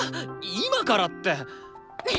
今からって。